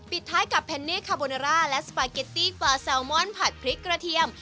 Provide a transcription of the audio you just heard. ปิดท้ายกับแพนเน่คาโบนาร่าและสปาเกตตี้ฟาแซลมอนผัดพริกกระเทียม